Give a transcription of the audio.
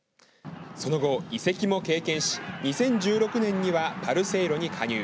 その後、移籍も経験し２０１６年にはパルセイロに加入。